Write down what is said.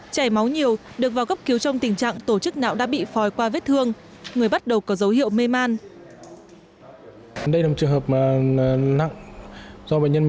chảy máu nhiều được vào cấp cứu trong tình trạng tổ chức não đã bị phòi qua vết thương người bắt đầu có dấu hiệu mê man